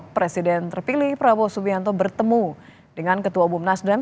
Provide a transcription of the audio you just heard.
presiden terpilih prabowo subianto bertemu dengan ketua umum nasdem